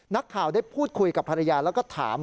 นักข่าวได้พูดคุยกับภรรยาแล้วก็ถาม